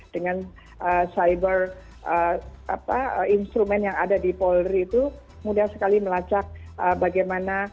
dengan cyber instrumen yang ada di polri itu mudah sekali melacak bagaimana